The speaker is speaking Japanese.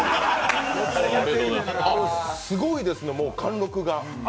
あっ、すごいですね、もう貫禄が。